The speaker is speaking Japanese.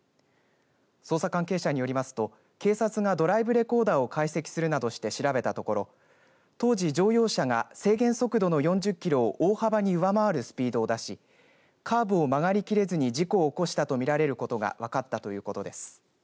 捜査関係者によりますと警察がドライブレコーダーを解析するなどして調べたところ当時、乗用車が制限速度の４０キロを大幅に上回るスピードを出しカーブを曲がりきれずに事故を起こしたとみられることが分かったということです。